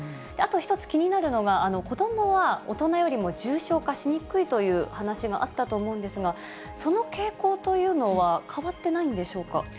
あと１つ、気になるのが、子どもは大人よりも重症化しにくいという話があったと思うんですが、その傾向というのは変わってないんでしょうか。